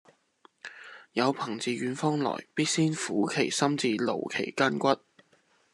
有朋自遠方來，必先苦其心志，勞其筋骨